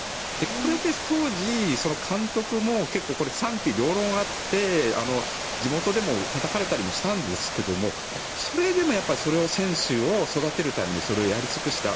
これで当時、監督も結構、賛否両論あって地元でもたたかれたりもしたんですけどそれでもやっぱり選手を育てるためにそれをやり尽くした。